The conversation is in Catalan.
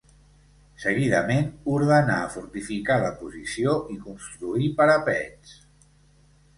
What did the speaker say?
Seguidament ordenà fortificar la posició i construir parapets.